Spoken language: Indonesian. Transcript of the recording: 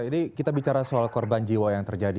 jadi kita bicara soal korban jiwa yang terjadi